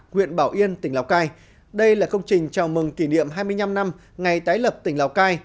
huyện bảo yên tỉnh lào cai đây là công trình chào mừng kỷ niệm hai mươi năm năm ngày tái lập tỉnh lào cai